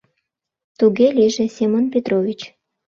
Туге лийже, Семон Петрович!